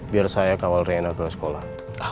biar saya kawal rena ke sekolah